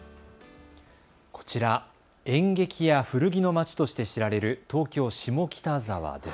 こちら、演劇や古着の街として知られる東京下北沢です。